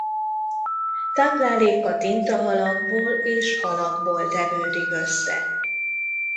Tápláléka tintahalakból és halakból tevődik össze.